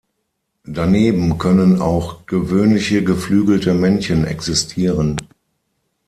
Daneben können auch gewöhnliche, geflügelte Männchen existieren.